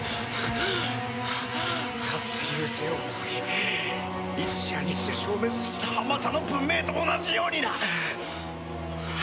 かつて隆盛を誇り一夜にして消滅したあまたの文明と同じようにな！